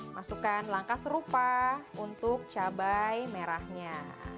masukkan langkah serupa untuk cabai merahnya